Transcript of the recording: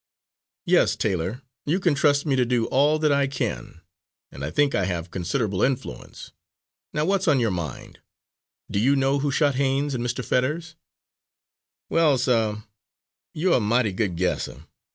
"Yes, Taylor, you can trust me to do all that I can, and I think I have considerable influence. Now, what's on your mind? Do you know who shot Haines and Mr. Fetters?" "Well, sir, you're a mighty good guesser.